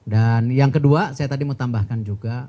dan yang kedua saya tadi mau tambahkan juga